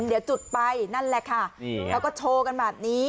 เดี๋ยวจุดไปนั่นแหละค่ะเขาก็โชว์กันแบบนี้